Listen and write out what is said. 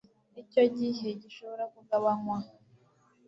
icyo gihe gishobora kugabanywa